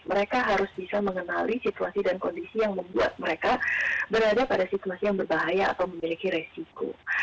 mereka harus bisa mengenali situasi dan kondisi yang membuat mereka berada pada situasi yang berbahaya atau memiliki resiko